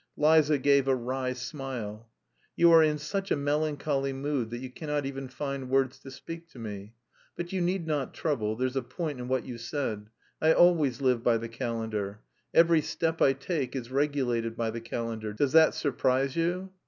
Liza gave a wry smile. "You are in such a melancholy mood that you cannot even find words to speak to me. But you need not trouble, there's a point in what you said. I always live by the calendar. Every step I take is regulated by the calendar. Does that surprise you?"